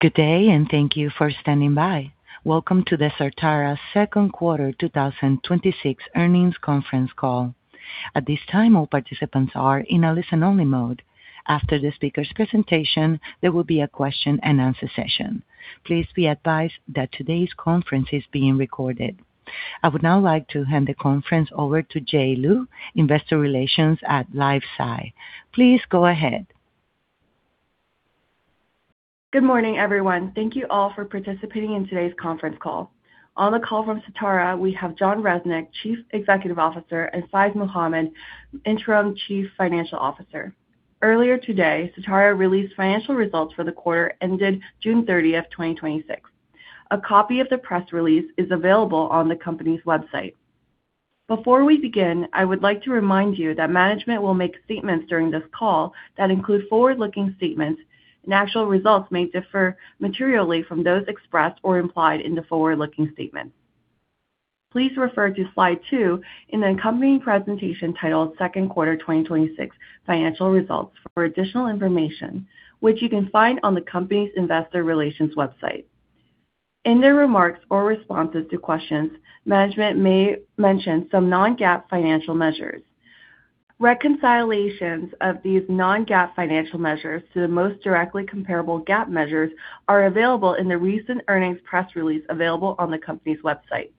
Good day. Thank you for standing by. Welcome to the Certara Second Quarter 2026 Earnings Conference Call. At this time, all participants are in a listen-only mode. After the speaker's presentation, there will be a question-and-answer session. Please be advised that today's conference is being recorded. I would now like to hand the conference over to Jay Liu, Investor Relations at LifeSci Advisors. Please go ahead. Good morning, everyone. Thank you all for participating in today's conference call. On the call from Certara, we have Jon Resnick, Chief Executive Officer, and Faiz Mohammed, Interim Chief Financial Officer. Earlier today, Certara released financial results for the quarter ended June 30th, 2026. A copy of the press release is available on the company's website. Before we begin, I would like to remind you that management will make statements during this call that include forward-looking statements. Actual results may differ materially from those expressed or implied in the forward-looking statement. Please refer to slide two in the accompanying presentation titled Second Quarter 2026 Financial Results for additional information, which you can find on the company's investor relations website. In their remarks or responses to questions, management may mention some non-GAAP financial measures. Reconciliations of these non-GAAP financial measures to the most directly comparable GAAP measures are available in the recent earnings press release available on the company's website.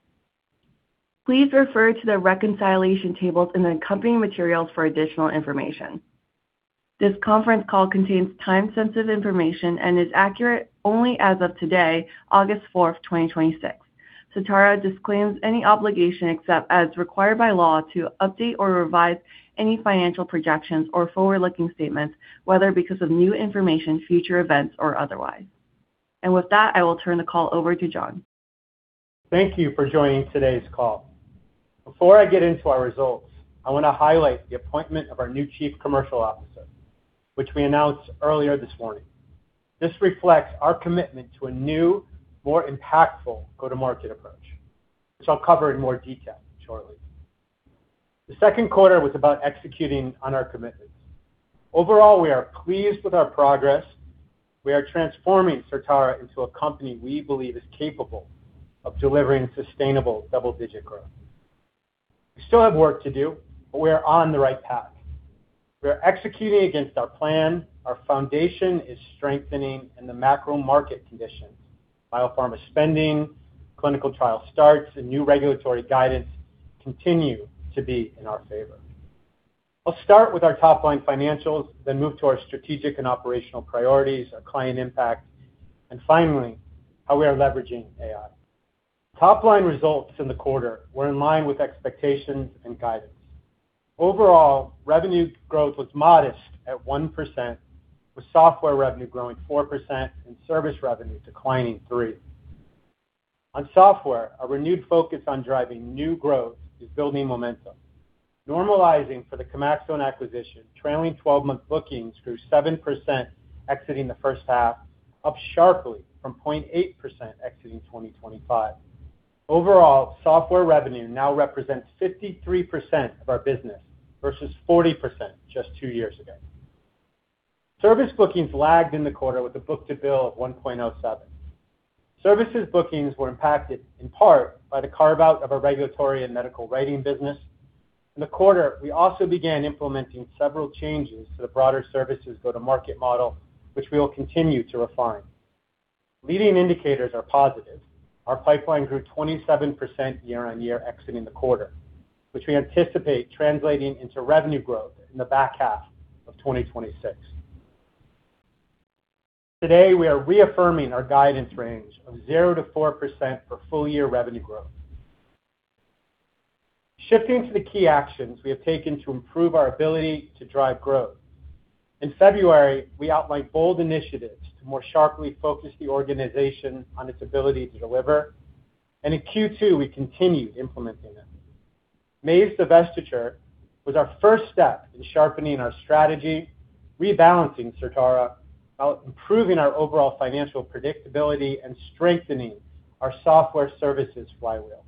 Please refer to the reconciliation tables in the accompanying materials for additional information. This conference call contains time-sensitive information and is accurate only as of today, August 4th, 2026. Certara disclaims any obligation, except as required by law, to update or revise any financial projections or forward-looking statements, whether because of new information, future events, or otherwise. With that, I will turn the call over to Jon. Thank you for joining today's call. Before I get into our results, I want to highlight the appointment of our new Chief Commercial Officer, which we announced earlier this morning. This reflects our commitment to a new, more impactful go-to-market approach, which I'll cover in more detail shortly. The second quarter was about executing on our commitments. Overall, we are pleased with our progress. We are transforming Certara into a company we believe is capable of delivering sustainable double-digit growth. We still have work to do. We are on the right path. We are executing against our plan. Our foundation is strengthening. The macro market conditions, biopharma spending, clinical trial starts, and new regulatory guidance continue to be in our favor. I'll start with our top-line financials. Move to our strategic and operational priorities, our client impact, and finally, how we are leveraging AI. Top-line results in the quarter were in line with expectations and guidance. Overall, revenue growth was modest at 1%, with software revenue growing 4% and service revenue declining 3%. On software, a renewed focus on driving new growth is building momentum. Normalizing for the Chemaxon acquisition, trailing 12-month bookings grew 7% exiting the first half, up sharply from 0.8% exiting 2025. Overall, software revenue now represents 53% of our business versus 40% just two years ago. Service bookings lagged in the quarter with a book-to-bill of 1.07. Services bookings were impacted in part by the carve-out of our Regulatory and Medical Writing business. In the quarter, we also began implementing several changes to the broader services go-to-market model, which we will continue to refine. Leading indicators are positive. Our pipeline grew 27% year-over-year exiting the quarter, which we anticipate translating into revenue growth in the back half of 2026. Today, we are reaffirming our guidance range of 0% to 4% for full-year revenue growth. Shifting to the key actions we have taken to improve our ability to drive growth. In February, we outlined bold initiatives to more sharply focus the organization on its ability to deliver, in Q2, we continued implementing them. May divestiture was our first step in sharpening our strategy, rebalancing Certara, improving our overall financial predictability, and strengthening our software services flywheel.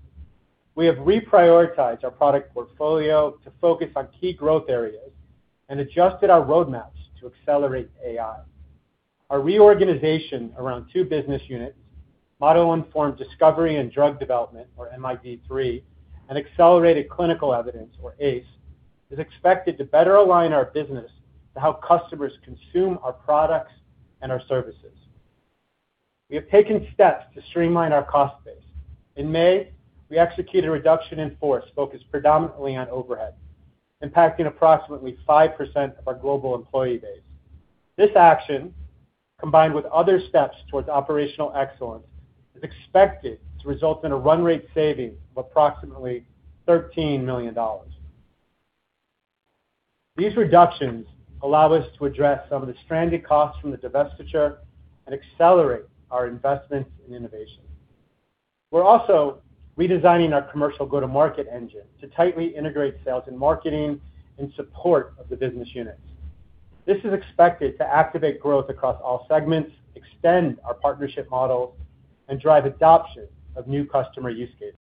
We have reprioritized our product portfolio to focus on key growth areas and adjusted our roadmaps to accelerate AI. Our reorganization around two business units, Model-Informed Discovery and Drug Development, or MID3, and Accelerated Clinical Evidence, or ACE, is expected to better align our business to how customers consume our products and our services. We have taken steps to streamline our cost base. In May, we executed a reduction in force focused predominantly on overhead, impacting approximately 5% of our global employee base. This action, combined with other steps towards operational excellence, is expected to result in a run rate saving of approximately $13 million. These reductions allow us to address some of the stranded costs from the divestiture and accelerate our investments in innovation. We're also redesigning our commercial go-to-market engine to tightly integrate sales and marketing in support of the business units. This is expected to activate growth across all segments, extend our partnership model, and drive adoption of new customer use cases.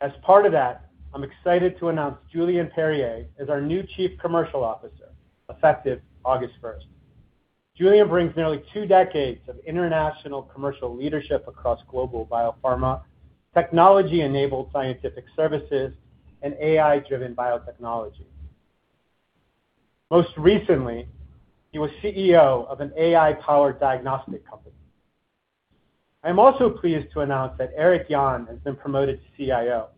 As part of that, I'm excited to announce Julien Perrier as our new Chief Commercial Officer effective August 1st. Julien brings nearly two decades of international commercial leadership across global biopharma, technology-enabled scientific services, and AI-driven biotechnology. Most recently, he was CEO of an AI-powered diagnostic company. I'm also pleased to announce that Eric Jahn has been promoted to CIO.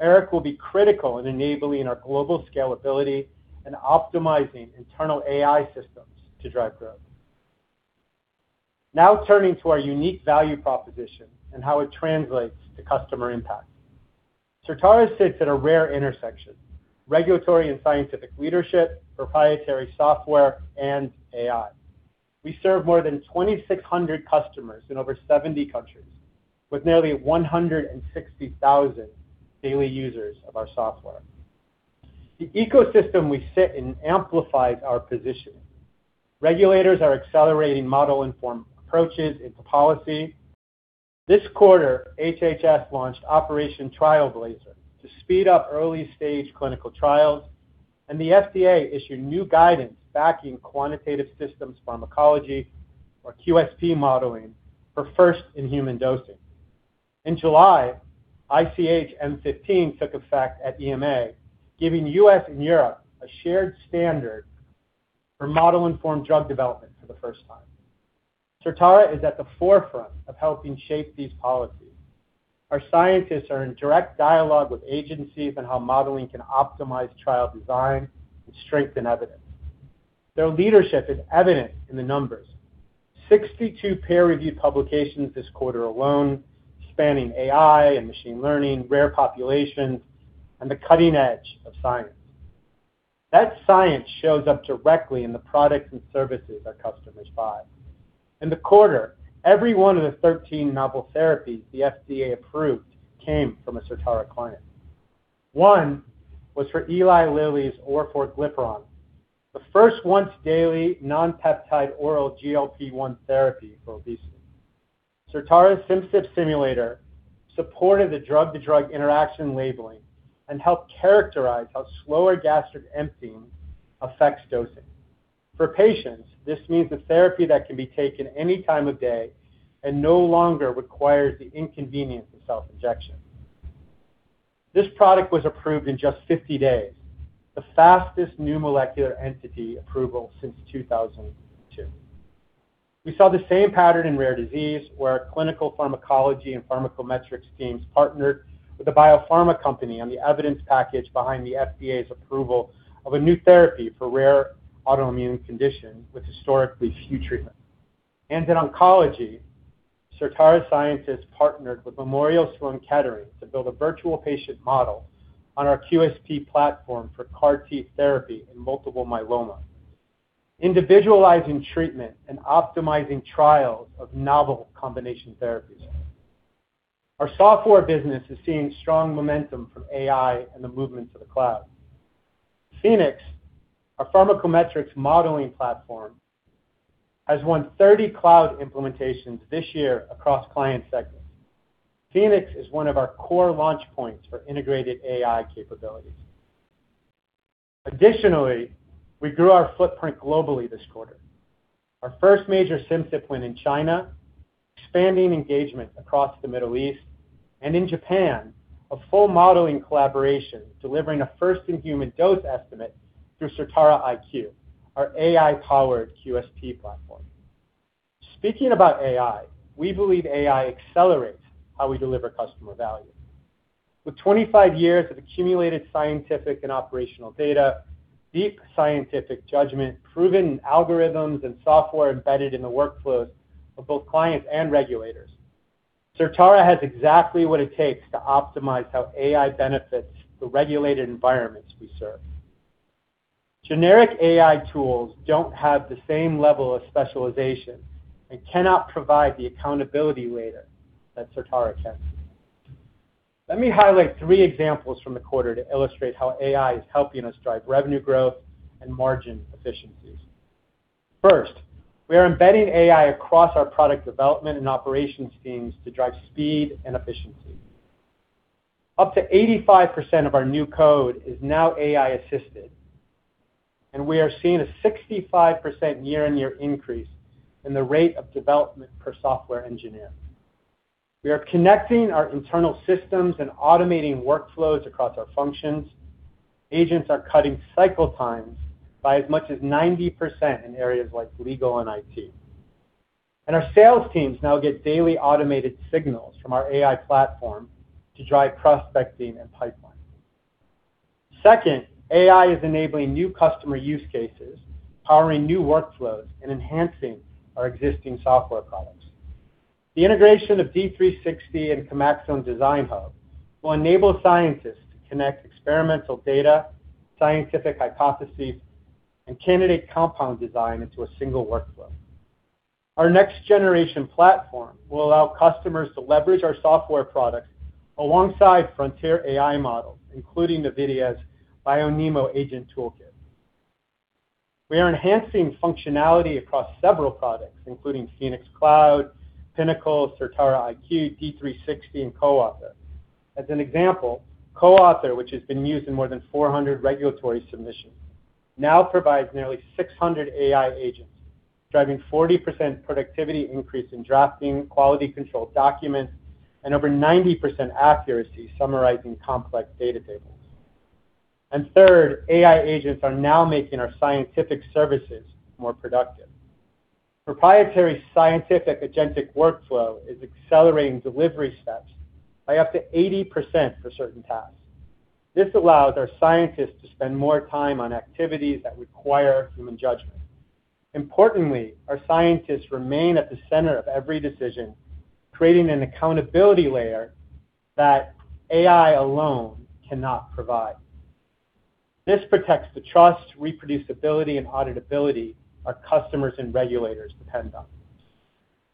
Eric will be critical in enabling our global scalability and optimizing internal AI systems to drive growth. Turning to our unique value proposition and how it translates to customer impact. Certara sits at a rare intersection, regulatory and scientific leadership, proprietary software, and AI. We serve more than 2,600 customers in over 70 countries with nearly 160,000 daily users of our software. The ecosystem we sit in amplifies our positioning. Regulators are accelerating model-informed approaches into policy. This quarter, HHS launched Operation TrialBlazer to speed up early-stage clinical trials, the FDA issued new guidance backing Quantitative Systems Pharmacology or QSP modeling for First-in-human dosing. In July, ICH M15 took effect at EMA, giving U.S. and Europe a shared standard for model-informed drug development for the first time. Certara is at the forefront of helping shape these policies. Our scientists are in direct dialogue with agencies on how modeling can optimize trial design and strengthen evidence. Their leadership is evident in the numbers. 62 peer-reviewed publications this quarter alone, spanning AI and machine learning, rare populations, and the cutting edge of science. That science shows up directly in the products and services our customers buy. In the quarter, every one of the 13 novel therapies the FDA approved came from a Certara client. One was for Eli Lilly's Orforglipron, the first once-daily non-peptide oral GLP-1 therapy for obesity. Certara's Simcyp Simulator supported the drug-to-drug interaction labeling and helped characterize how slower gastric emptying affects dosing. For patients, this means a therapy that can be taken any time of day and no longer requires the inconvenience of self-injection. This product was approved in just 50 days, the fastest new molecular entity approval since 2002. We saw the same pattern in rare disease, where our clinical pharmacology and pharmacometrics teams partnered with a biopharma company on the evidence package behind the FDA's approval of a new therapy for rare autoimmune conditions with historically few treatments. In oncology, Certara scientists partnered with Memorial Sloan Kettering to build a virtual patient model on our QSP platform for CAR T therapy in multiple myeloma, individualizing treatment and optimizing trials of novel combination therapies. Our software business is seeing strong momentum from AI and the movement to the cloud. Phoenix, our pharmacometrics modeling platform, has won 30 cloud implementations this year across client segments. Phoenix is one of our core launch points for integrated AI capabilities. Additionally, we grew our footprint globally this quarter. Our first major Simcyp win in China, expanding engagement across the Middle East, and in Japan, a full modeling collaboration delivering a first-in-human dose estimate through Certara IQ, our AI-powered QSP platform. Speaking about AI, we believe AI accelerates how we deliver customer value. With 25 years of accumulated scientific and operational data, deep scientific judgment, proven algorithms, and software embedded in the workflows of both clients and regulators, Certara has exactly what it takes to optimize how AI benefits the regulated environments we serve. Generic AI tools don't have the same level of specialization and cannot provide the accountability layer that Certara can. Let me highlight three examples from the quarter to illustrate how AI is helping us drive revenue growth and margin efficiencies. First, we are embedding AI across our product development and operations teams to drive speed and efficiency. Up to 85% of our new code is now AI assisted, and we are seeing a 65% year-on-year increase in the rate of development per software engineer. We are connecting our internal systems and automating workflows across our functions. Agents are cutting cycle times by as much as 90% in areas like legal and IT. Our sales teams now get daily automated signals from our AI platform to drive prospecting and pipeline. Second, AI is enabling new customer use cases, powering new workflows, and enhancing our existing software products. The integration of D360 and the Chemaxon Design Hub will enable scientists to connect experimental data, scientific hypotheses, and candidate compound design into a single workflow. Our next-generation platform will allow customers to leverage our software products alongside frontier AI models, including NVIDIA’s BioNeMo Agent Toolkit. We are enhancing functionality across several products, including Phoenix Cloud, Pinnacle, Certara IQ, D360, and CoAuthor. As an example, CoAuthor, which has been used in more than 400 regulatory submissions, now provides nearly 600 AI agents, driving 40% productivity increase in drafting quality control documents and over 90% accuracy summarizing complex data tables. Third, AI agents are now making our scientific services more productive. Proprietary scientific agentic workflow is accelerating delivery steps by up to 80% for certain tasks. This allows our scientists to spend more time on activities that require human judgment. Importantly, our scientists remain at the center of every decision, creating an accountability layer that AI alone cannot provide. This protects the trust, reproducibility, and auditability our customers and regulators depend on.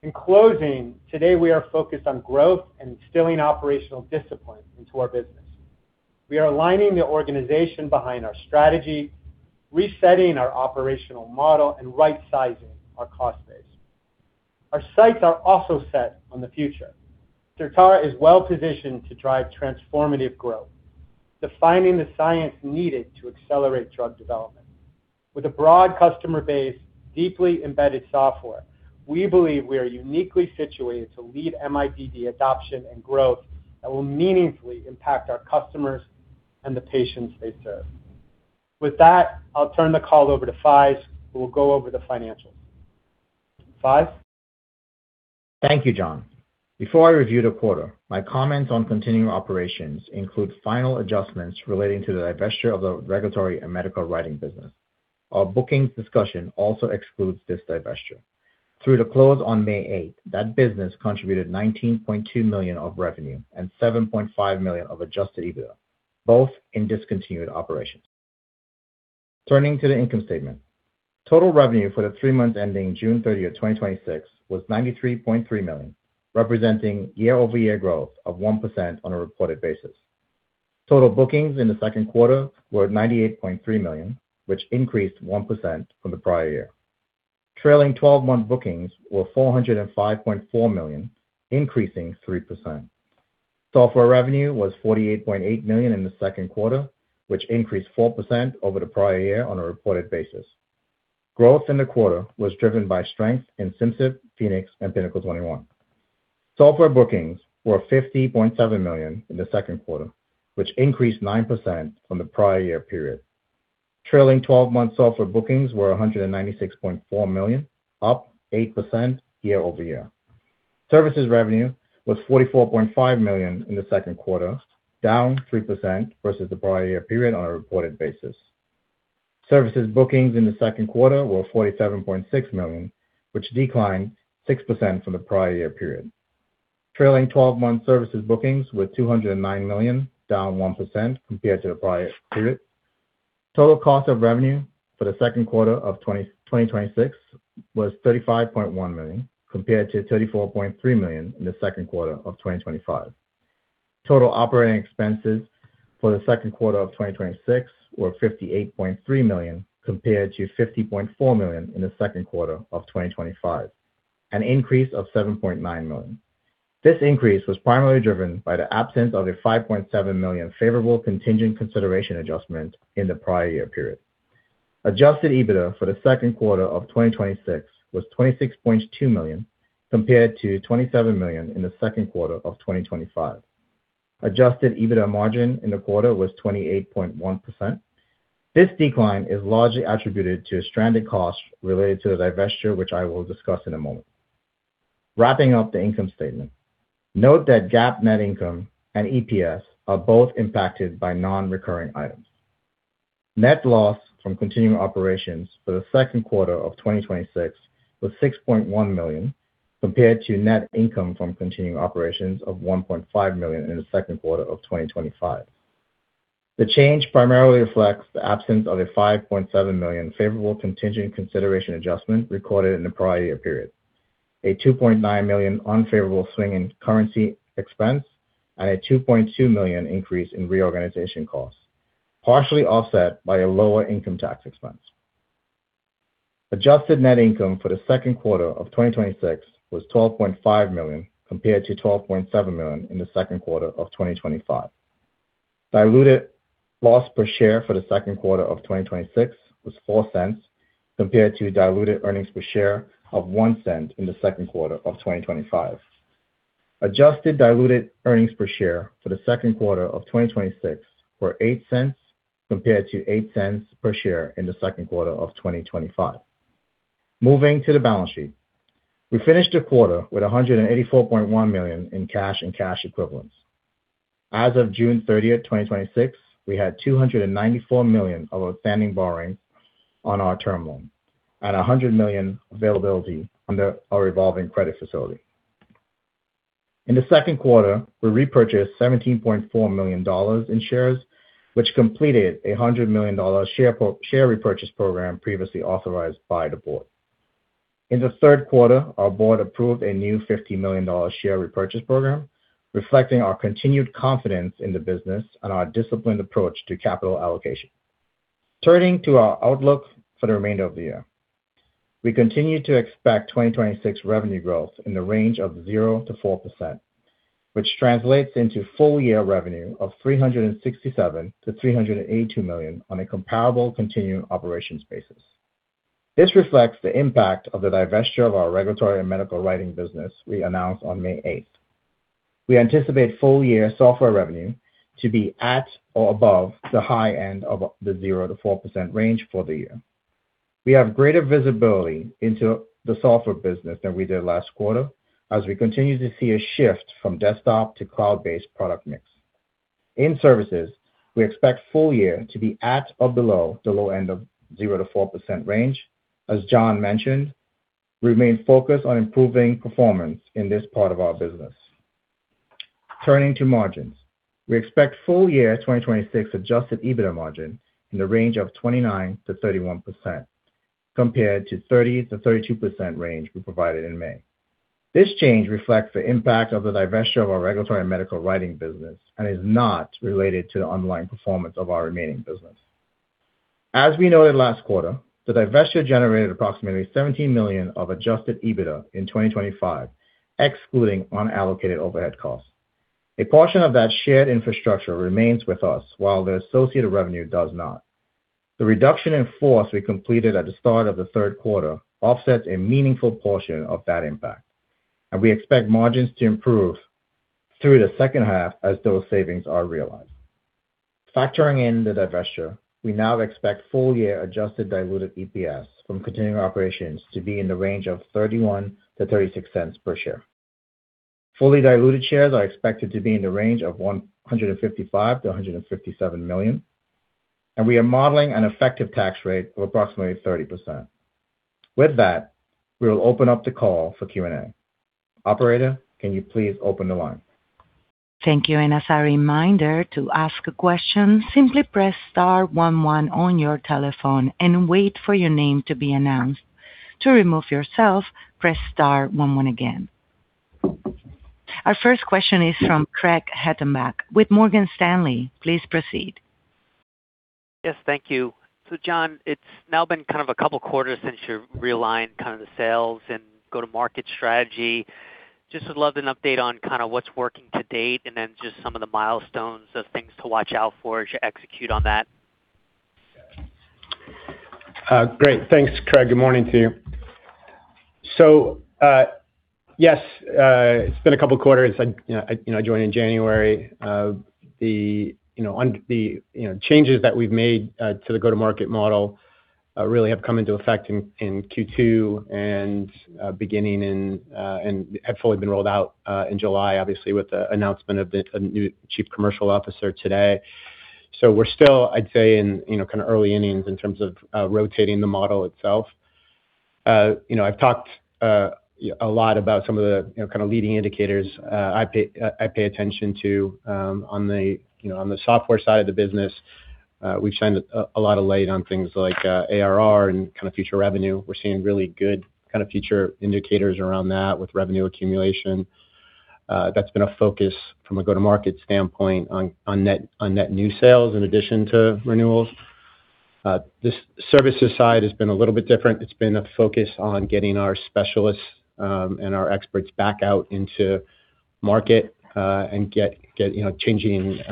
In closing, today we are focused on growth and instilling operational discipline into our business. We are aligning the organization behind our strategy, resetting our operational model, and right-sizing our cost base. Our sights are also set on the future. Certara is well-positioned to drive transformative growth, defining the science needed to accelerate drug development. With a broad customer base, deeply embedded software, we believe we are uniquely situated to lead MIDD adoption and growth that will meaningfully impact our customers and the patients they serve. With that, I'll turn the call over to Faiz, who will go over the financials. Faiz? Thank you, Jon. Before I review the quarter, my comments on continuing operations include final adjustments relating to the divesture of the Regulatory and Medical Writing business. Our bookings discussion also excludes this divesture. Through the close on May 8th, that business contributed $19.2 million of revenue and $7.5 million of adjusted EBITDA, both in discontinued operations. Turning to the income statement. Total revenue for the three months ending June 30th, 2026 was $93.3 million, representing year-over-year growth of 1% on a reported basis. Total bookings in the second quarter were at $98.3 million, which increased 1% from the prior year. Trailing 12-month bookings were $405.4 million, increasing 3%. Software revenue was $48.8 million in the second quarter, which increased 4% over the prior year on a reported basis. Growth in the quarter was driven by strength in Simcyp, Phoenix, and Pinnacle 21. Software bookings were $50.7 million in the second quarter, which increased 9% from the prior year period. Trailing 12-month software bookings were $196.4 million, up 8% year-over-year. Services revenue was $44.5 million in the second quarter, down 3% versus the prior year period on a reported basis. Services bookings in the second quarter were $47.6 million, which declined 6% from the prior year period. Trailing 12-month services bookings were $209 million, down 1% compared to the prior period. Total cost of revenue for the second quarter of 2026 was $35.1 million, compared to $34.3 million in the second quarter of 2025. Total operating expenses for the second quarter of 2026 were $58.3 million, compared to $50.4 million in the second quarter of 2025, an increase of $7.9 million. This increase was primarily driven by the absence of a $5.7 million favorable contingent consideration adjustment in the prior year period. Adjusted EBITDA for the second quarter of 2026 was $26.2 million, compared to $27 million in the second quarter of 2025. Adjusted EBITDA margin in the quarter was 28.1%. This decline is largely attributed to stranded costs related to the divestiture, which I will discuss in a moment. Wrapping up the income statement. Note that GAAP net income and EPS are both impacted by non-recurring items. Net loss from continuing operations for the second quarter of 2026 was $6.1 million, compared to net income from continuing operations of $1.5 million in the second quarter of 2025. The change primarily reflects the absence of a $5.7 million favorable contingent consideration adjustment recorded in the prior year period, a $2.9 million unfavorable swing in currency expense, and a $2.2 million increase in reorganization costs, partially offset by a lower income tax expense. Adjusted net income for the second quarter of 2026 was $12.5 million, compared to $12.7 million in the second quarter of 2025. Diluted loss per share for the second quarter of 2026 was $0.04, compared to diluted earnings per share of $0.01 in the second quarter of 2025. Adjusted diluted earnings per share for the second quarter of 2026 were $0.08, compared to $0.08 per share in the second quarter of 2025. Moving to the balance sheet. We finished the quarter with $184.1 million in cash and cash equivalents. As of June 30th, 2026, we had $294 million of outstanding borrowings on our term loan and $100 million availability under our revolving credit facility. In the second quarter, we repurchased $17.4 million in shares, which completed a $100 million share repurchase program previously authorized by the board. In the third quarter, our board approved a new $50 million share repurchase program, reflecting our continued confidence in the business and our disciplined approach to capital allocation. Turning to our outlook for the remainder of the year. We continue to expect 2026 revenue growth in the range of 0% to 4%, which translates into full-year revenue of $367 million to $382 million on a comparable continuing operations basis. This reflects the impact of the divestiture of our regulatory and Medical Writing business we announced on May 8th. We anticipate full-year software revenue to be at or above the high end of the 0% to 4% range for the year. We have greater visibility into the software business than we did last quarter, as we continue to see a shift from desktop to cloud-based product mix. In services, we expect full year to be at or below the low end of 0% to 4% range. As Jon mentioned, we remain focused on improving performance in this part of our business. Turning to margins, we expect FY 2026 adjusted EBITDA margin in the range of 29% to 31%, compared to 30% to 32% range we provided in May. This change reflects the impact of the divestiture of our regulatory and Medical Writing business and is not related to the underlying performance of our remaining business. As we noted last quarter, the divestiture generated approximately $17 million of adjusted EBITDA in 2025, excluding unallocated overhead costs. A portion of that shared infrastructure remains with us, while the associated revenue does not. The reduction in force we completed at the start of the third quarter offsets a meaningful portion of that impact, and we expect margins to improve through the second half as those savings are realized. Factoring in the divesture, we now expect full-year adjusted diluted EPS from continuing operations to be in the range of $0.31 to $0.36 per share. Fully diluted shares are expected to be in the range of 155 million to 157 million, and we are modeling an effective tax rate of approximately 30%. With that, we will open up the call for Q&A. Operator, can you please open the line? Thank you. As a reminder to ask a question, simply press star one one on your telephone and wait for your name to be announced. To remove yourself, press star one one again. Our first question is from Craig Hettenbach with Morgan Stanley. Please proceed. Yes, thank you. Jon, it's now been a couple quarters since you realigned the sales and go-to-market strategy. Just would love an update on what's working to date, and then just some of the milestones of things to watch out for as you execute on that. Great. Thanks, Craig. Good morning to you. Yes, it's been a couple of quarters. I joined in January. The changes that we've made to the go-to-market model really have come into effect in Q2 and have fully been rolled out in July, obviously, with the announcement of the new Chief Commercial Officer today. We're still, I'd say, in early innings in terms of rotating the model itself. I've talked a lot about some of the leading indicators I pay attention to on the software side of the business. We've shined a lot of light on things like ARR and future revenue. We're seeing really good future indicators around that with revenue accumulation. That's been a focus from a go-to-market standpoint on net new sales in addition to renewals. The services side has been a little bit different. It's been a focus on getting our specialists and our experts back out into market, and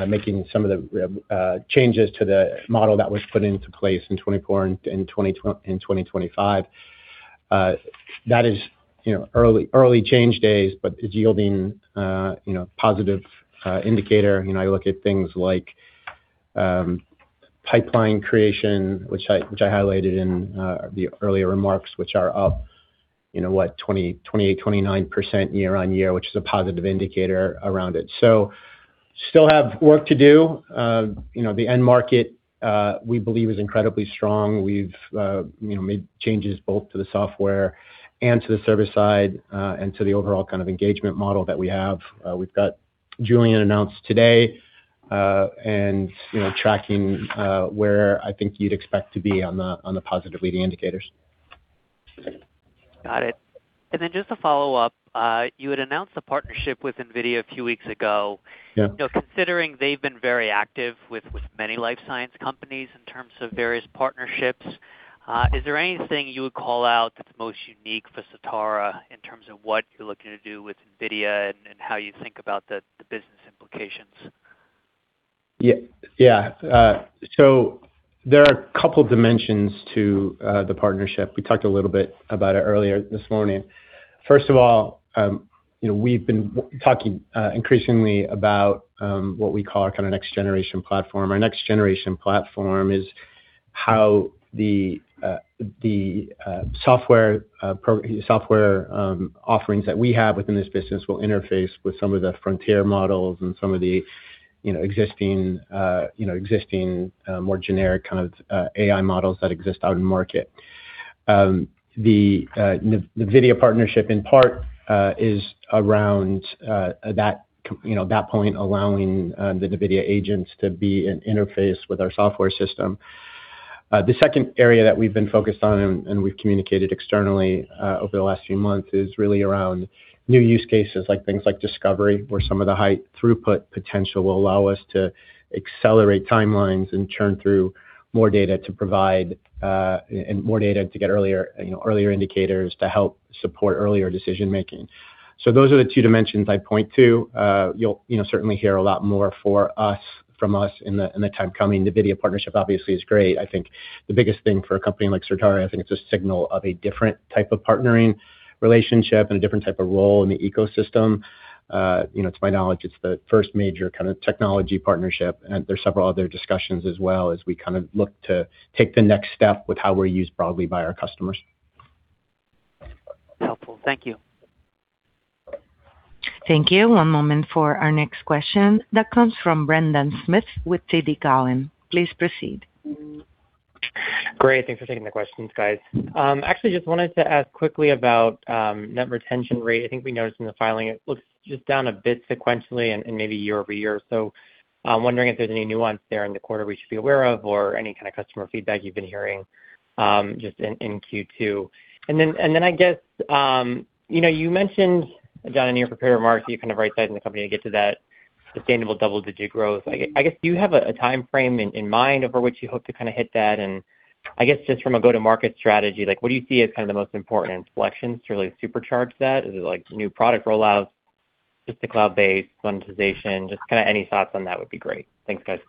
making some of the changes to the model that was put into place in 2024 and 2025. That is early change days, but is yielding positive indicator. I look at things like pipeline creation, which I highlighted in the earlier remarks, which are up 28% to 29% year-on-year, which is a positive indicator around it. Still have work to do. The end market, we believe, is incredibly strong. We've made changes both to the software and to the service side, and to the overall engagement model that we have. We've got Julien announced today, and tracking where I think you'd expect to be on the positive leading indicators. Got it. Just to follow up, you had announced a partnership with NVIDIA a few weeks ago. Yeah. Considering they've been very active with many life science companies in terms of various partnerships, is there anything you would call out that's most unique for Certara in terms of what you're looking to do with NVIDIA and how you think about the business implications? Yeah. There are a couple dimensions to the partnership. We talked a little bit about it earlier this morning. First of all, we've been talking increasingly about what we call our next generation platform. Our next generation platform is how the software offerings that we have within this business will interface with some of the frontier models and some of the existing, more generic AI models that exist out in market. The NVIDIA partnership in part is around that point, allowing the NVIDIA agents to be an interface with our software system. The second area that we've been focused on and we've communicated externally over the last few months is really around new use cases, things like discovery, where some of the high throughput potential will allow us to accelerate timelines and churn through more data to provide and more data to get earlier indicators to help support earlier decision-making. Those are the two dimensions I'd point to. You'll certainly hear a lot more from us in the time coming. The NVIDIA partnership obviously is great. The biggest thing for a company like Certara, I think it's a signal of a different type of partnering relationship and a different type of role in the ecosystem. To my knowledge, it's the first major kind of technology partnership, and there's several other discussions as well as we look to take the next step with how we're used broadly by our customers. Helpful. Thank you. Thank you. One moment for our next question. That comes from Brendan Smith with TD Cowen. Please proceed. Great. Thanks for taking the questions, guys. Actually, just wanted to ask quickly about net retention rate. I think we noticed in the filing it looks just down a bit sequentially and maybe year-over-year. Wondering if there's any nuance there in the quarter we should be aware of or any kind of customer feedback you've been hearing just in Q2. You mentioned, Jon, in your prepared remarks, you kind of right-sized the company to get to that sustainable double-digit growth. Do you have a timeframe in mind over which you hope to hit that? Just from a go-to-market strategy, what do you see as kind of the most important inflections to really supercharge that? Is it new product roll-outs, just the cloud-based monetization? Just any thoughts on that would be great. Thanks, guys.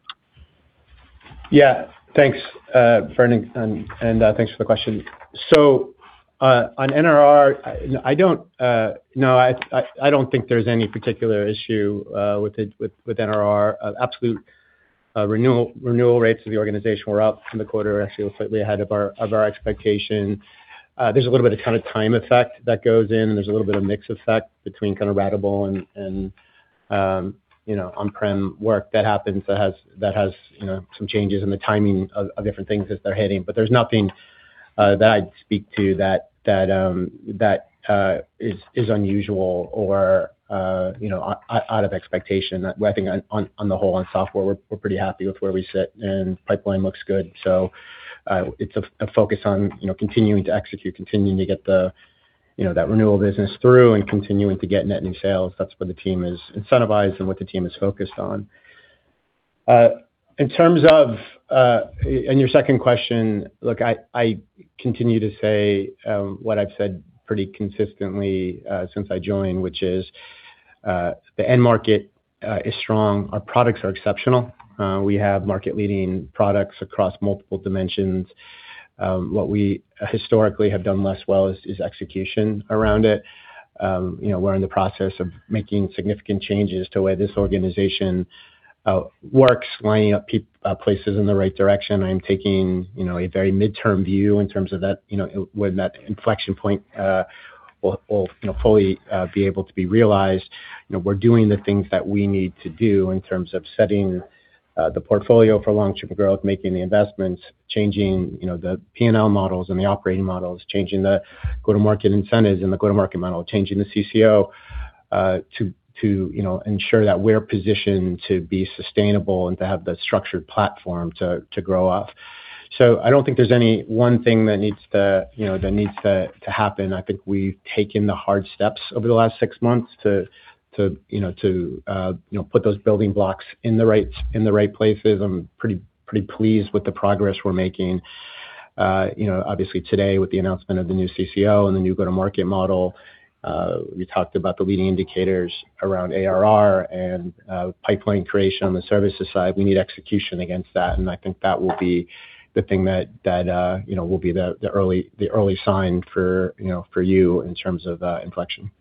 Thanks, Brendan, and thanks for the question. On NRR, I don't think there's any particular issue with NRR. Absolute renewal rates of the organization were up from the quarter, actually was slightly ahead of our expectation. There's a little bit of time effect that goes in, and there's a little bit of mix effect between kind of ratable and on-prem work that happens that has some changes in the timing of different things as they're hitting. There's nothing that I'd speak to that is unusual or out of expectation. I think on the whole, on software, we're pretty happy with where we sit, and pipeline looks good. It's a focus on continuing to execute, continuing to get that renewal business through, and continuing to get net new sales. That's where the team is incentivized and what the team is focused on. In terms of your second question, I continue to say what I've said pretty consistently since I joined, which is the end market is strong. Our products are exceptional. We have market-leading products across multiple dimensions. What we historically have done less well is execution around it. We're in the process of making significant changes to the way this organization works, lining up places in the right direction. I'm taking a very midterm view in terms of when that inflection point will fully be able to be realized. We're doing the things that we need to do in terms of setting the portfolio for long-term growth, making the investments, changing the P&L models and the operating models, changing the go-to-market incentives and the go-to-market model, changing the CCO to ensure that we're positioned to be sustainable and to have the structured platform to grow off. I don't think there's any one thing that needs to happen. I think we've taken the hard steps over the last six months to put those building blocks in the right places. I'm pretty pleased with the progress we're making. Obviously, today with the announcement of the new CCO and the new go-to-market model, we talked about the leading indicators around ARR and pipeline creation on the services side. We need execution against that, and I think that will be the thing that will be the early sign for you in terms of inflection.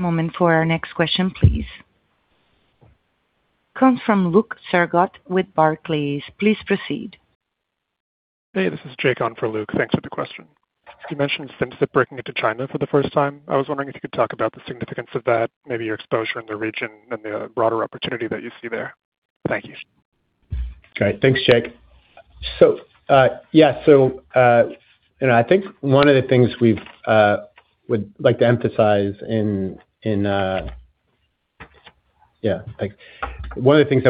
Moment for our next question, please. Comes from Luke Sergott with Barclays. Please proceed. Hey, this is Jake on for Luke. Thanks for the question. You mentioned Simcyp breaking into China for the first time. I was wondering if you could talk about the significance of that, maybe your exposure in the region and the broader opportunity that you see there. Thank you. Great. Thanks, Jake. I think one of the things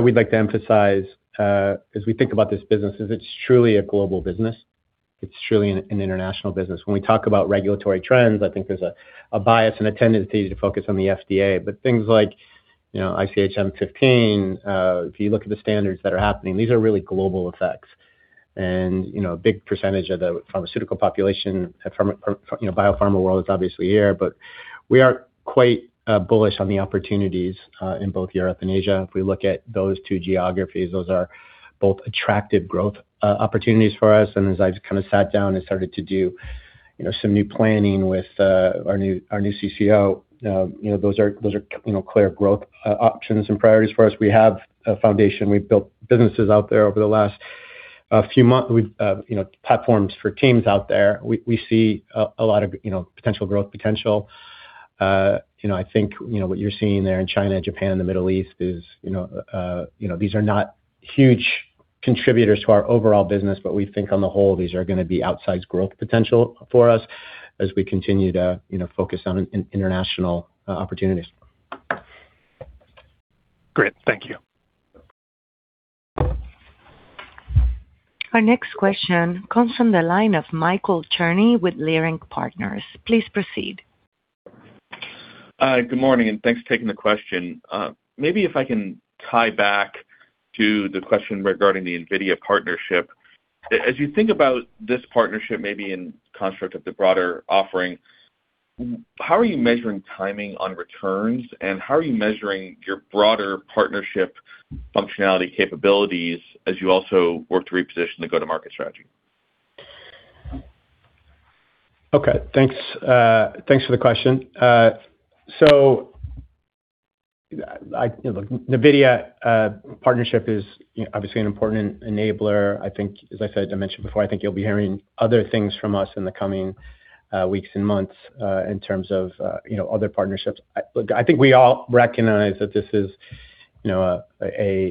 we'd like to emphasize as we think about this business is it's truly a global business. It's truly an international business. When we talk about regulatory trends, I think there's a bias and a tendency to focus on the FDA. Things like ICH M15, if you look at the standards that are happening, these are really global effects. A big percentage of the pharmaceutical population, biopharma world is obviously here, but we are quite bullish on the opportunities in both Europe and Asia. If we look at those two geographies, those are both attractive growth opportunities for us. As I kind of sat down and started to do some new planning with our new CCO, those are clear growth options and priorities for us. We have a foundation. We've built businesses out there over the last few months. Platforms for teams out there. We see a lot of potential growth potential. I think what you're seeing there in China, Japan, and the Middle East is these are not huge contributors to our overall business, but we think on the whole, these are going to be outsized growth potential for us as we continue to focus on international opportunities. Great. Thank you. Our next question comes from the line of Michael Cherny with Leerink Partners. Please proceed. Good morning, and thanks for taking the question. If I can tie back to the question regarding the NVIDIA partnership. As you think about this partnership, maybe in construct of the broader offering, how are you measuring timing on returns, and how are you measuring your broader partnership functionality capabilities as you also work to reposition the go-to-market strategy? Okay. Thanks for the question. Look, NVIDIA partnership is obviously an important enabler. I think, as I said, I mentioned before, I think you'll be hearing other things from us in the coming weeks and months in terms of other partnerships. Look, I think we all recognize that this is a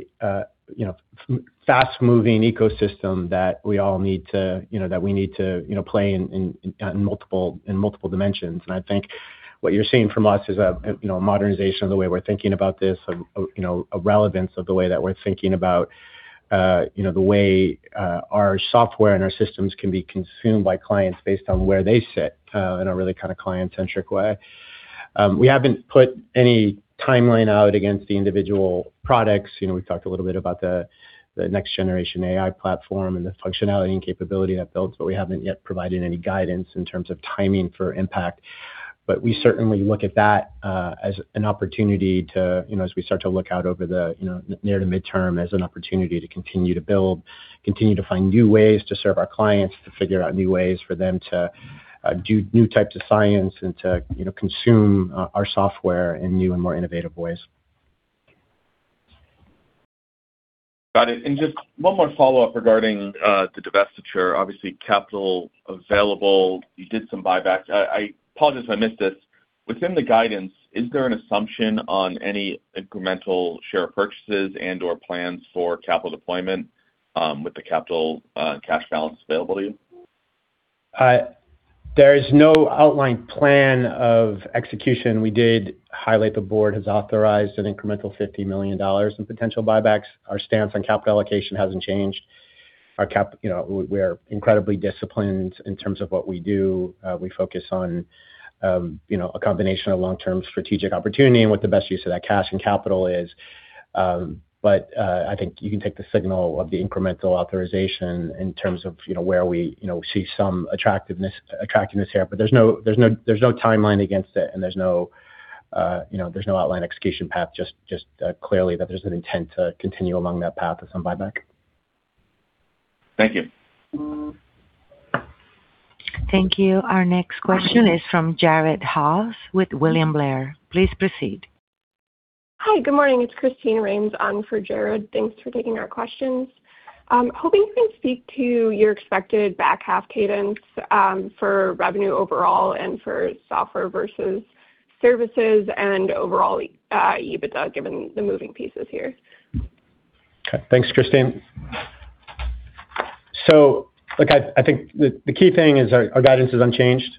fast-moving ecosystem that we need to play in multiple dimensions. I think what you're seeing from us is a modernization of the way we're thinking about this, a relevance of the way that we're thinking about the way our software and our systems can be consumed by clients based on where they sit in a really kind of client-centric way. We haven't put any timeline out against the individual products. We've talked a little bit about the next generation AI platform and the functionality and capability that builds, we haven't yet provided any guidance in terms of timing for impact. We certainly look at that as an opportunity to, as we start to look out over the near to midterm, as an opportunity to continue to build, continue to find new ways to serve our clients, to figure out new ways for them to do new types of science and to consume our software in new and more innovative ways. Got it. Just one more follow-up regarding the divestiture. Obviously, capital available, you did some buybacks. I apologize if I missed this. Within the guidance, is there an assumption on any incremental share purchases and/or plans for capital deployment with the capital cash balance available to you? There is no outlined plan of execution. We did highlight the board has authorized an incremental $50 million in potential buybacks. Our stance on capital allocation hasn't changed. We're incredibly disciplined in terms of what we do. We focus on a combination of long-term strategic opportunity and what the best use of that cash and capital is. I think you can take the signal of the incremental authorization in terms of where we see some attractiveness here. There's no timeline against it and there's no outlined execution path, just clearly that there's an intent to continue along that path of some buyback. Thank you. Thank you. Our next question is from Jared Haase with William Blair. Please proceed. Hi. Good morning. It's Christine Rains on for Jared. Thanks for taking our questions. Hoping you can speak to your expected back-half cadence for revenue overall and for software versus services and overall EBITDA, given the moving pieces here. Okay. Thanks, Christine. Look, I think the key thing is our guidance is unchanged.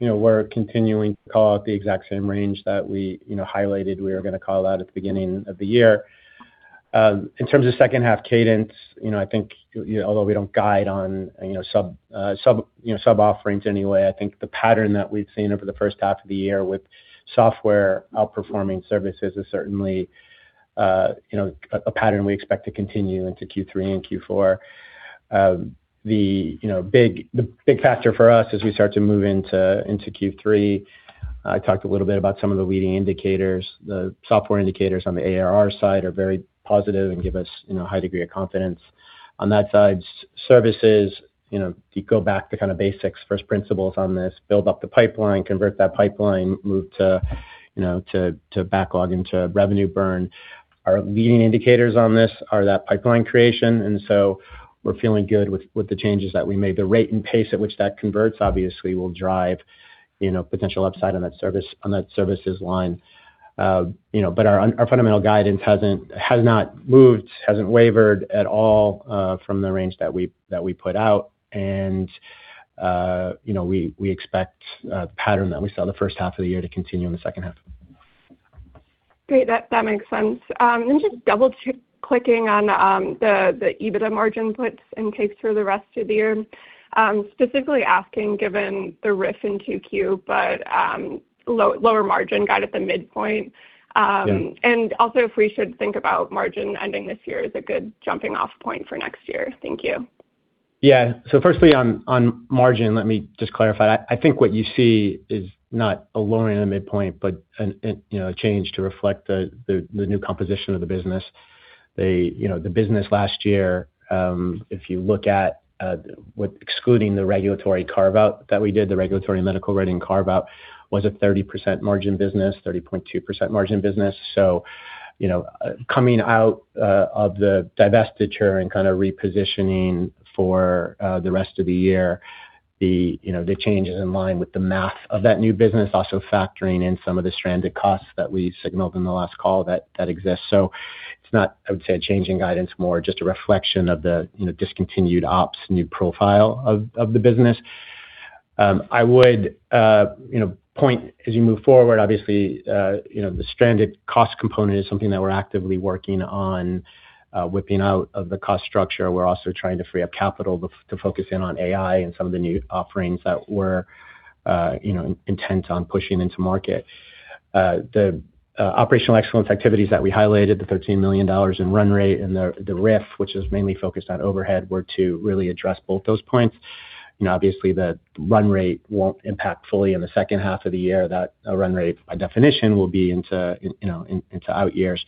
We're continuing to call out the exact same range that we highlighted we were going to call out at the beginning of the year. In terms of second half cadence, I think although we don't guide on sub-offerings anyway, I think the pattern that we've seen over the first half of the year with software outperforming services is certainly a pattern we expect to continue into Q3 and Q4. The big factor for us as we start to move into Q3, I talked a little bit about some of the leading indicators. The software indicators on the ARR side are very positive and give us a high degree of confidence on that side. Services, you go back to kind of basics, first principles on this, build up the pipeline, convert that pipeline, move to backlog into revenue burn. Our leading indicators on this are that pipeline creation, we're feeling good with the changes that we made. The rate and pace at which that converts obviously will drive potential upside on that services line. Our fundamental guidance has not moved, hasn't wavered at all from the range that we put out, and we expect the pattern that we saw in the first half of the year to continue in the second half. Great. That makes sense. Just double-clicking on the EBITDA margin puts and takes through the rest of the year. Specifically asking given the RIF in Q2, lower margin guide at the midpoint. Yeah. If we should think about margin ending this year as a good jumping-off point for next year. Thank you. Firstly, on margin, let me just clarify that. I think what you see is not a lowering of the midpoint, but a change to reflect the new composition of the business. The business last year, if you look at excluding the regulatory carve-out that we did, the Regulatory and Medical Writing carve-out, was a 30% margin business, 30.2% margin business. Coming out of the divestiture and kind of repositioning for the rest of the year The changes in line with the math of that new business, also factoring in some of the stranded costs that we signaled in the last call that exists. It's not, I would say, a change in guidance, more just a reflection of the discontinued ops new profile of the business. I would point as you move forward, obviously, the stranded cost component is something that we're actively working on whipping out of the cost structure. We're also trying to free up capital to focus in on AI and some of the new offerings that we're intent on pushing into market. The operational excellence activities that we highlighted, the $13 million in run rate and the RIF, which is mainly focused on overhead, were to really address both those points. Obviously, the run rate won't impact fully in the second half of the year. That run rate, by definition, will be into out years.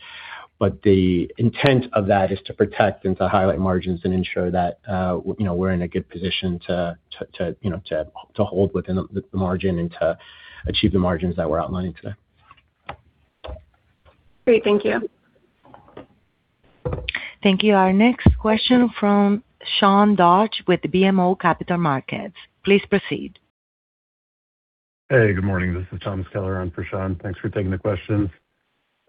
The intent of that is to protect and to highlight margins and ensure that we're in a good position to hold within the margin and to achieve the margins that we're outlining today. Great. Thank you. Thank you. Our next question from Sean Dodge with BMO Capital Markets. Please proceed. Hey, good morning. This is Thomas Kelliher on for Sean. Thanks for taking the questions.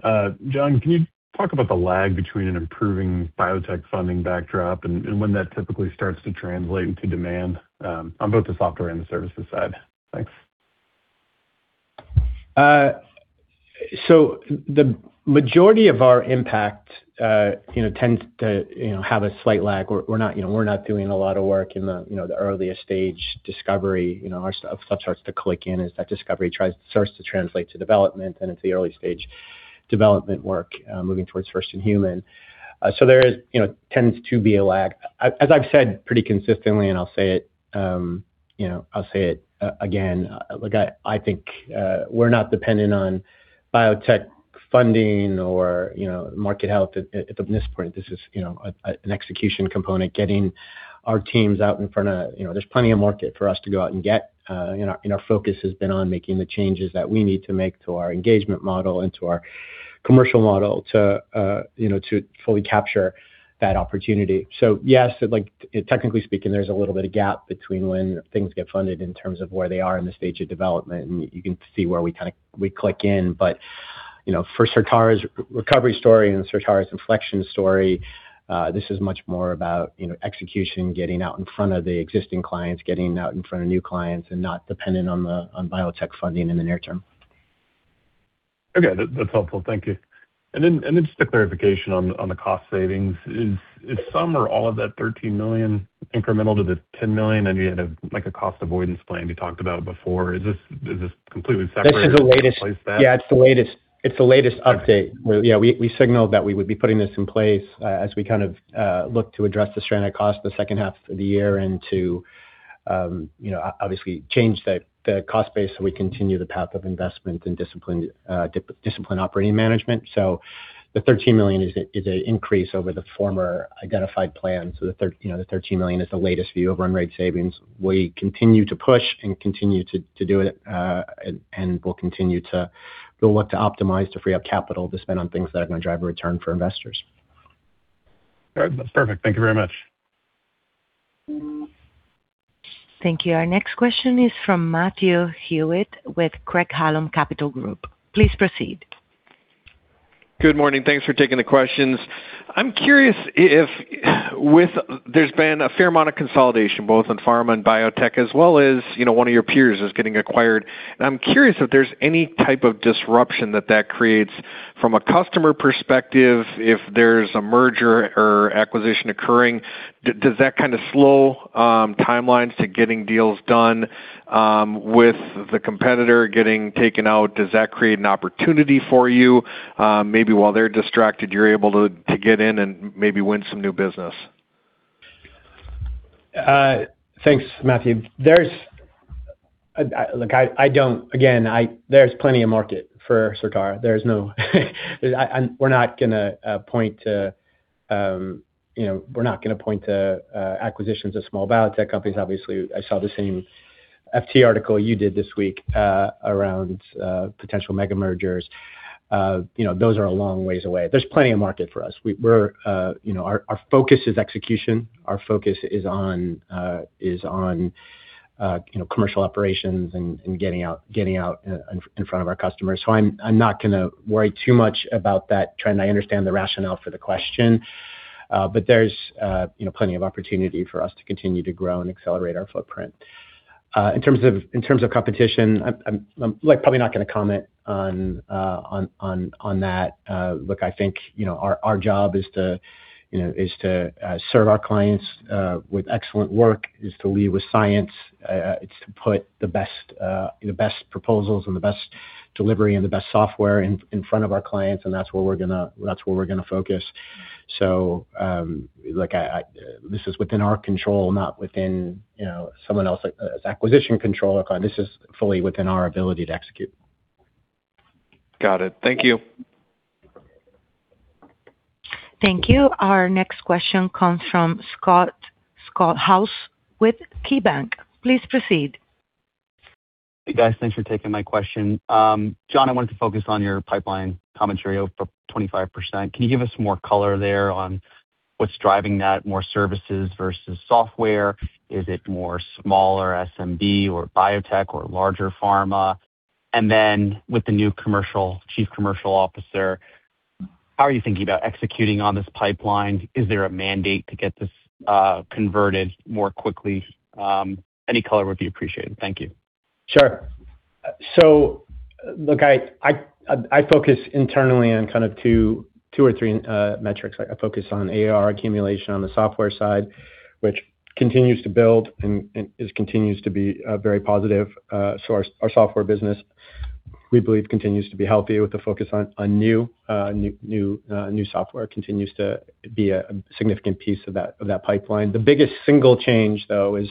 Jon, can you talk about the lag between an improving biotech funding backdrop and when that typically starts to translate into demand on both the software and the services side? Thanks. The majority of our impact tends to have a slight lag. We're not doing a lot of work in the earliest stage discovery. Our stuff starts to click in as that discovery starts to translate to development and into the early stage development work, moving towards first in human. There tends to be a lag. As I've said pretty consistently, and I'll say it again, I think we're not dependent on biotech funding or market health at this point. This is an execution component, getting our teams out in front of. There's plenty of market for us to go out and get and our focus has been on making the changes that we need to make to our engagement model and to our commercial model to fully capture that opportunity. Yes, technically speaking, there's a little bit of gap between when things get funded in terms of where they are in the stage of development, and you can see where we click in. For Certara's recovery story and Certara's inflection story, this is much more about execution, getting out in front of the existing clients, getting out in front of new clients, and not dependent on biotech funding in the near term. Okay. That's helpful. Thank you. Just a clarification on the cost savings. Is some or all of that $13 million incremental to the $10 million and you had a cost avoidance plan you talked about before. Is this completely separate or does it replace that? Yeah, it's the latest update where we signaled that we would be putting this in place as we look to address the stranded cost the second half of the year and to obviously change the cost base so we continue the path of investment and discipline operating management. The $13 million is an increase over the former identified plan. The $13 million is the latest view of run rate savings. We continue to push and continue to do it, and we'll continue to look to optimize to free up capital to spend on things that are going to drive a return for investors. All right. That's perfect. Thank you very much. Thank you. Our next question is from Matthew Hewitt with Craig-Hallum Capital Group. Please proceed. Good morning. Thanks for taking the questions. I'm curious if there's been a fair amount of consolidation both on pharma and biotech as well as one of your peers is getting acquired. I'm curious if there's any type of disruption that that creates from a customer perspective, if there's a merger or acquisition occurring, does that slow timelines to getting deals done with the competitor getting taken out? Does that create an opportunity for you? Maybe while they're distracted, you're able to get in and maybe win some new business. Thanks, Matthew. There's plenty of market for Certara. We're not going to point to acquisitions of small biotech companies. Obviously, I saw the same FT article you did this week around potential mega mergers. Those are a long ways away. There's plenty of market for us. Our focus is execution. Our focus is on commercial operations and getting out in front of our customers. I'm not going to worry too much about that trend. I understand the rationale for the question, there's plenty of opportunity for us to continue to grow and accelerate our footprint. In terms of competition, I'm probably not going to comment on that. Look, I think our job is to serve our clients with excellent work, is to lead with science. It's to put the best proposals and the best delivery and the best software in front of our clients, and that's where we're going to focus. This is within our control, not within someone else's acquisition control. This is fully within our ability to execute. Got it. Thank you. Thank you. Our next question comes from Scott Schoenhaus with KeyBank. Please proceed. Hey, guys. Thanks for taking my question. Jon, I wanted to focus on your pipeline commentary of 25%. Can you give us more color there on what's driving that, more services versus software? Is it more smaller SMB or biotech or larger pharma? With the new Chief Commercial Officer, how are you thinking about executing on this pipeline? Is there a mandate to get this converted more quickly? Any color would be appreciated. Thank you. Sure. Look, I focus internally on two or three metrics. I focus on AR accumulation on the software side, which continues to build and continues to be a very positive source. Our software business, we believe, continues to be healthy with the focus on new software. Continues to be a significant piece of that pipeline. The biggest single change, though, is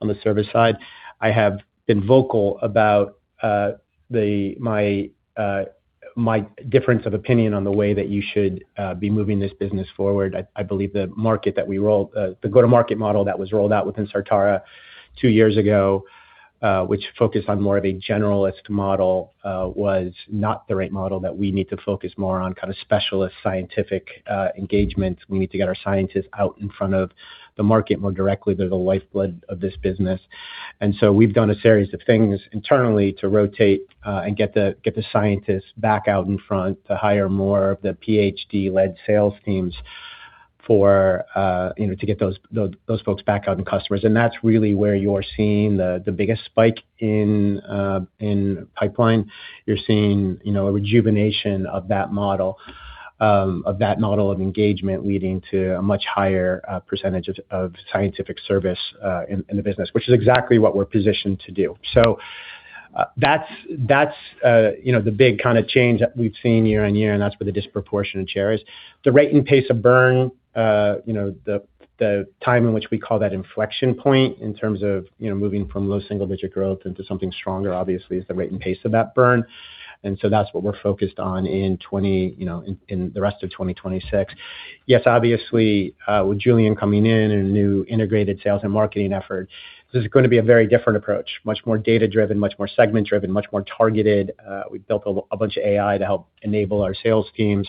on the service side. I have been vocal about my difference of opinion on the way that you should be moving this business forward. I believe the go-to-market model that was rolled out within Certara two years ago, which focused on more of a generalist model, was not the right model, that we need to focus more on specialist scientific engagements. We need to get our scientists out in front of the market more directly. They're the lifeblood of this business. We've done a series of things internally to rotate and get the scientists back out in front to hire more of the PhD-led sales teams to get those folks back out in customers. That's really where you're seeing the biggest spike in pipeline. You're seeing a rejuvenation of that model of engagement leading to a much higher percentage of scientific service in the business, which is exactly what we're positioned to do. That's the big change that we've seen year-on-year, and that's where the disproportion in share is. The rate and pace of burn, the time in which we call that inflection point in terms of moving from low single-digit growth into something stronger, obviously, is the rate and pace of that burn. That's what we're focused on in the rest of 2026. Yes, obviously, with Julien coming in and a new integrated sales and marketing effort, this is going to be a very different approach. Much more data-driven, much more segment-driven, much more targeted. We've built a bunch of AI to help enable our sales teams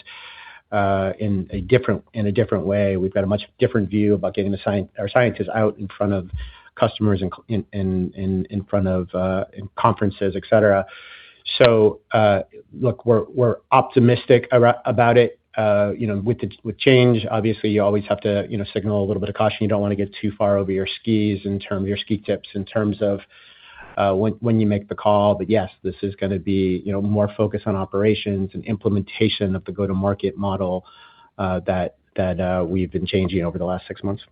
in a different way. We've got a much different view about getting our scientists out in front of customers, in front of conferences, et cetera. Look, we're optimistic about it. With change, obviously, you always have to signal a little bit of caution. You don't want to get too far over your ski tips in terms of when you make the call. Yes, this is going to be more focused on operations and implementation of the go-to-market model that we've been changing over the last six months.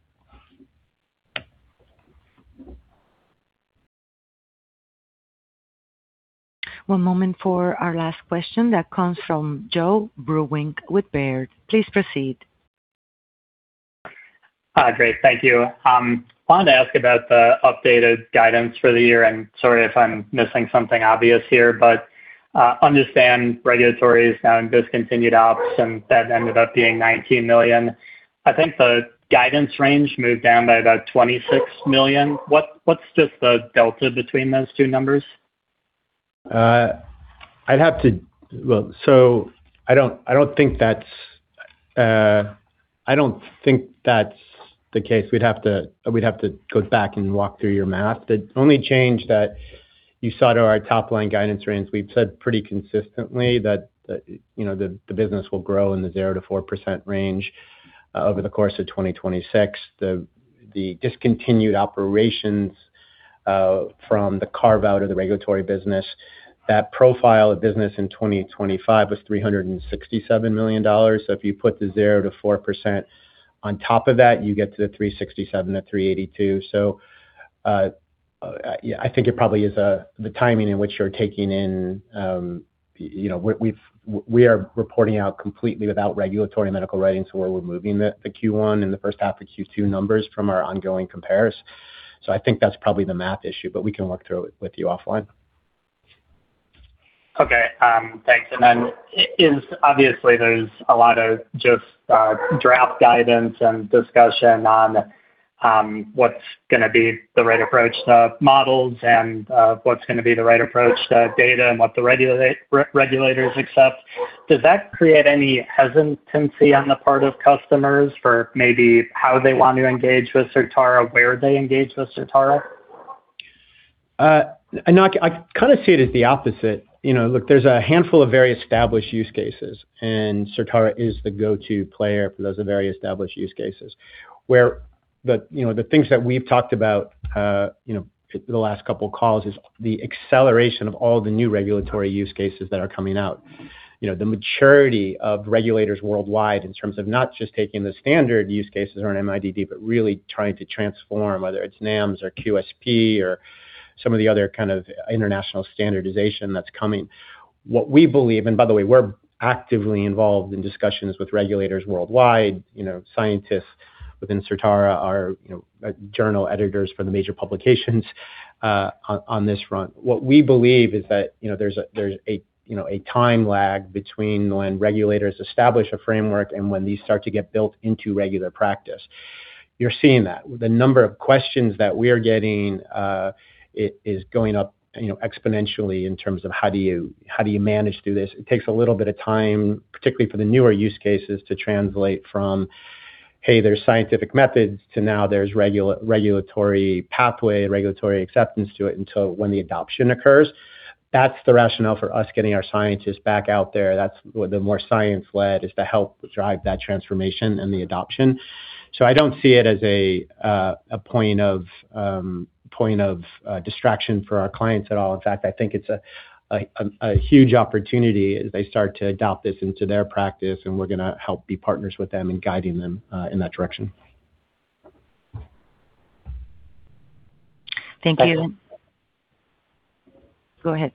One moment for our last question that comes from Joe Vruwink with Baird. Please proceed. Hi, great. Thank you. I wanted to ask about the updated guidance for the year. Sorry if I'm missing something obvious here, understand Regulatory is now in discontinued ops, and that ended up being $19 million. I think the guidance range moved down by about $26 million. What's just the delta between those two numbers? I don't think that's the case. We'd have to go back and walk through your math. The only change that you saw to our top-line guidance range, we've said pretty consistently that the business will grow in the 0% to 4% range over the course of 2026. The discontinued operations from the carve-out of the Regulatory business, that profile of business in 2025 was $367 million. If you put the 0% to 4% on top of that, you get to the $367 million to $382 million. I think it probably is the timing in which you're taking in. We are reporting out completely without Regulatory Medical Writing, where we're moving the Q1 and the first half of Q2 numbers from our ongoing compares. I think that's probably the math issue, we can work through it with you offline. Okay. Thanks. Obviously, there's a lot of just draft guidance and discussion on what's going to be the right approach to models and what's going to be the right approach to data and what the regulators accept. Does that create any hesitancy on the part of customers for maybe how they want to engage with Certara, where they engage with Certara? I kind of see it as the opposite. Look, there's a handful of very established use cases, and Certara is the go-to player for those very established use cases. Where the things that we've talked about the last couple of calls is the acceleration of all the new regulatory use cases that are coming out. The maturity of regulators worldwide in terms of not just taking the standard use cases or an MIDD, but really trying to transform, whether it's NAMs or QSP or some of the other kind of international standardization that's coming. What we believe, we're actively involved in discussions with regulators worldwide. Scientists within Certara are journal editors for the major publications on this front. What we believe is that there's a time lag between when regulators establish a framework and when these start to get built into regular practice. You're seeing that. The number of questions that we are getting is going up exponentially in terms of how do you manage through this. It takes a little bit of time, particularly for the newer use cases, to translate from, "Hey, there's scientific methods" to now there's regulatory pathway, regulatory acceptance to it until when the adoption occurs. That's the rationale for us getting our scientists back out there. That's the more science-led is to help drive that transformation and the adoption. I don't see it as a point of distraction for our clients at all. In fact, I think it's a huge opportunity as they start to adopt this into their practice, and we're going to help be partners with them in guiding them in that direction. Thank you. Go ahead.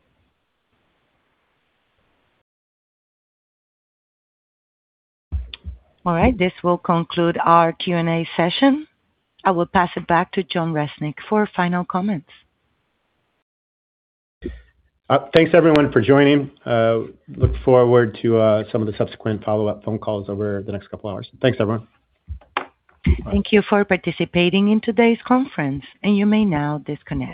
All right. This will conclude our Q&A session. I will pass it back to Jon Resnick for final comments. Thanks, everyone, for joining. Look forward to some of the subsequent follow-up phone calls over the next couple of hours. Thanks, everyone. Thank you for participating in today's conference. You may now disconnect.